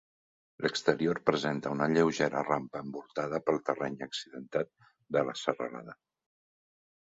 L'exterior presenta una lleugera rampa envoltada pel terreny accidentat de la serralada.